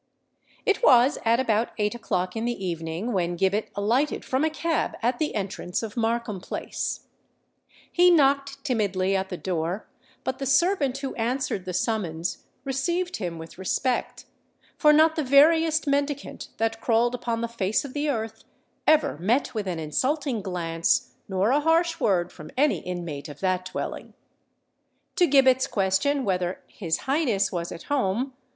It was at about eight o'clock in the evening when Gibbet alighted from a cab at the entrance of Markham Place. He knocked timidly at the door; but the servant who answered the summons received him with respect—for not the veriest mendicant that crawled upon the face of the earth ever met with an insulting glance nor a harsh word from any inmate of that dwelling. To Gibbet's question whether "His Highness was at home?"